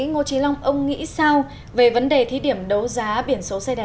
ngô trí long ông nghĩ sao về vấn đề thí điểm đấu giá biển số xe này